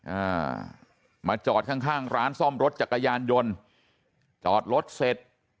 อ่ามาจอดข้างข้างร้านซ่อมรถจักรยานยนต์จอดรถเสร็จ